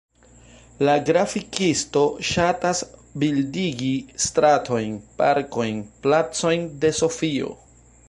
La grafikisto ŝatas bildigi stratojn, parkojn, placojn de Sofio.